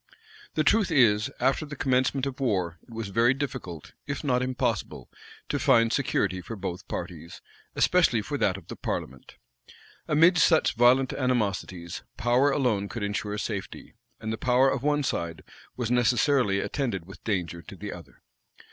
[] The truth is, after the commencement of war, it was very difficult, if not impossible, to find security for both parties, especially for that of the parliament. Amidst such violent animosities, power alone could insure safety; and the power of one side was necessarily attended with danger to the other.